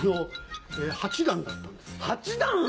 八段だったんですよ。